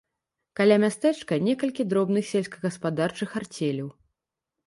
Каля мястэчка некалькі дробных сельскагаспадарчых арцеляў.